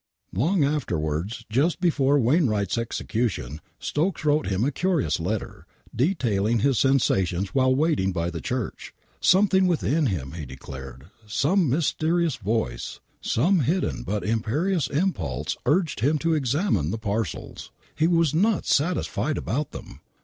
Long afterwards,, just before Wainwright's execution, Stokes wrote him a curious letter, detailing his sensations while waiting by the Church. Something within him, iie declared, some mys terous voice, some hidden but imperious impulse urged him to examine the parcels. He was not satisfied about them